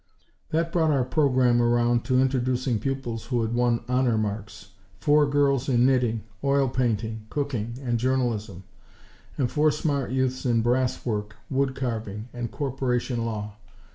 That brought our program around to introducing pupils who had won honor marks: four girls in knitting, oil painting, cooking and journalism; and four smart youths in brass work, wood carving and Corporation law.